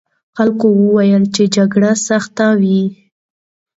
خلکو وویل چې جګړه سخته وه.